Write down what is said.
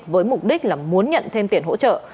với mục đích là muốn nhận thêm tiền hỗ trợ